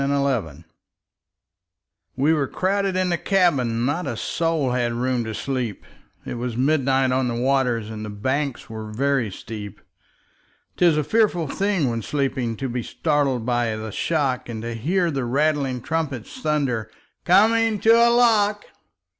Field] WE were crowded in the cabin, Not a soul had room to sleep; It was midnight on the waters, And the banks were very steep. 'Tis a fearful thing when sleeping To be startled by the shock, And to hear the rattling trumpet Thunder, "Coming to a lock!"